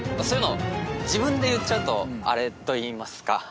そういうの自分で言っちゃうとあれといいますか。